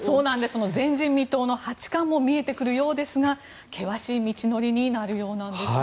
前人未到の八冠も見えてくるようですが険しい道のりになるようなんです。